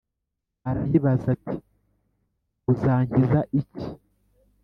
arayibaza ati uzankiza iki?